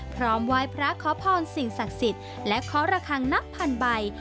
พร้อมไหว้พระขอพรสิ่งศักดิ์สิทธิ์และเคาะระคังนับพันใบ